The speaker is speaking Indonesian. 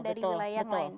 dari wilayah yang lain